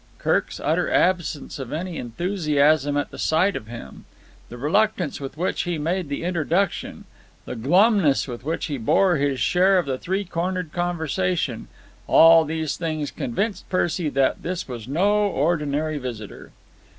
Kirk's utter absence of any enthusiasm at the sight of him, the reluctance with which he made the introduction, the glumness with which he bore his share of the three cornered conversation—all these things convinced Percy that this was no ordinary visitor.